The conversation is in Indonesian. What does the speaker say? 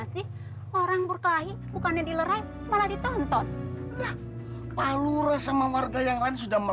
sampai jumpa di video selanjutnya